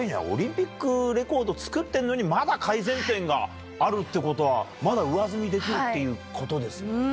オリンピックレコード作ってるのに、まだ改善点があるってことは、まだ上積みできるっていうことですもんね。